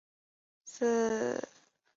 卫讯电讯曾成为以下多套电影的赞助商。